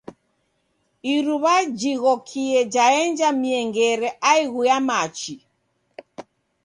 Iruw'a jighokie jaenja miengere aighu ya machi.